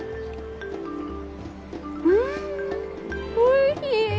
うんおいしい！